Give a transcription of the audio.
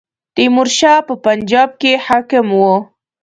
تیمور شاه په پنجاب کې حاکم وو.